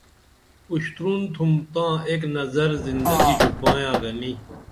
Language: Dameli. اُشتُرونتُم تاں ایک نظر زندگی ژُپایاں گنی